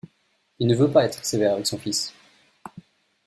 Il ne veut pas être sévère avec son fils.